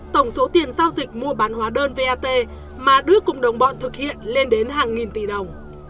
tổng số tiền giao dịch mua bán hóa đơn vat mà đức cùng đồng bọn thực hiện lên đến hàng nghìn tỷ đồng